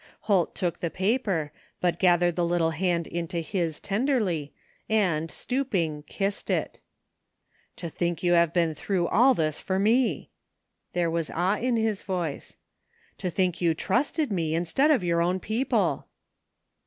Holt took the paper, but gathered the little hand into his tenderly and, stooping, kissed it. " To think you have been through all this for me." There was awe in his voice. " To think you trusted me instead of your own people